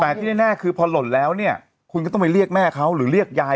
แต่ที่แน่คือพอหล่นแล้วเนี่ยคุณก็ต้องไปเรียกแม่เขาหรือเรียกยาย